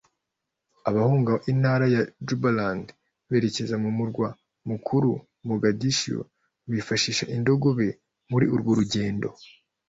Abahunga intara ya Jubaland berekeza mu murwa mukuru Mogadishio bifashisha indogobe muri urwo rugendo